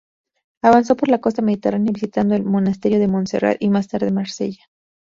Avanzó por la costa mediterránea, visitando el Monasterio de Montserrat y más tarde Marsella.